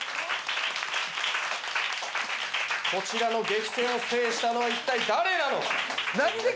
こちらの激戦を制したのは一体誰なのか？